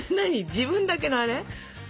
自分だけのあれ？